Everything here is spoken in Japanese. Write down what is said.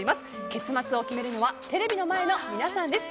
結末を決めるのはテレビの前の皆さんです。